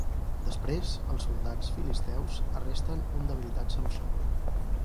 Després, els soldats filisteus arresten un debilitat Samsó.